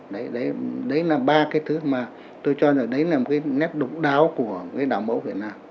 đấy là ba cái thứ mà tôi cho rằng đấy là một cái nét đúng đáo của đạo mẫu việt nam